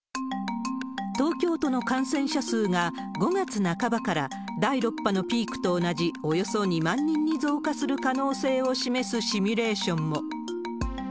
東京都の感染者数が５月半ばから第６波のピークと同じ、およそ２万人に増加する可能性を示すシミュレーションも。